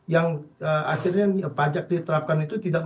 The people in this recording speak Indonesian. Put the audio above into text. yang akhirnya pajak diterapkan itu tidak